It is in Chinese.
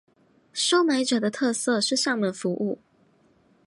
收买者的特色是上门服务。